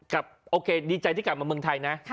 โอเคดีใจที่กลับมาเมืองไทยนะ